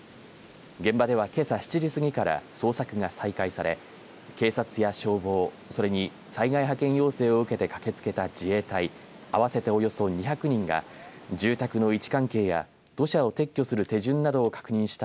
現場では、けさ７時すぎから捜索が再開され警察や消防それに災害派遣要請を受けて駆けつけた自衛隊合わせておよそ２００人が住宅の位置関係や土砂を撤去する手順などを確認した